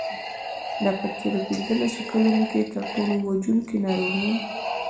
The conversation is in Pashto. دا په تېرو پنځلسو کلونو کې تر ټولو وژونکې ناروغي وه.